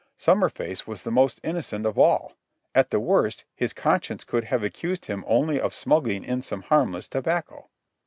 Summerface was the most innocent of all. At the worst, his conscience could have accused him only of smuggling in some harmless tobacco.